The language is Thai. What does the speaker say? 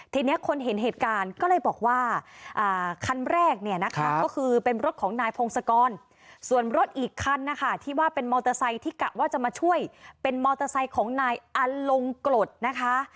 ทีนี้คนเห็นเหตุการณ์ก็เลยบอกว่าคันแรกเนี่ยนะคะก็คือเป็นรถของนายพงศกรส่วนรถอีกคันนะคะที่ว่าเป็นมอเตอร์ไซค์ที่กะว่าจะมาช่วยเป็นมอเตอร์ไซค์ของนายอลงกรดนะคะ